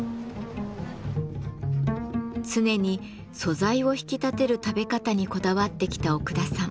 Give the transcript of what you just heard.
常に素材を引き立てる食べ方にこだわってきた奥田さん。